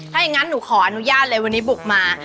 ถ้าอย่างนั้นหนูขออนุญาตเลยวันนี้บุกมา